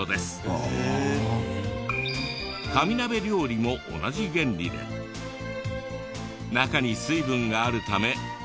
紙鍋料理も同じ原理で中に水分があるため燃えないのです。